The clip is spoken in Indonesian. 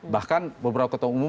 bahkan beberapa ketua umum